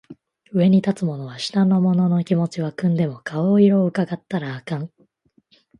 上に立つ者は下の者の気持ちは汲んでも顔色は窺ったらあかん